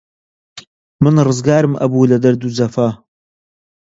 من ڕزگار ئەبووم لە دەرد و جەفا